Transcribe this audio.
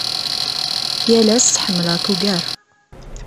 Yal ass ḥemmleɣ-k ugar.